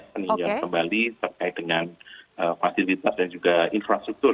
peninjauan kembali terkait dengan fasilitas dan juga infrastruktur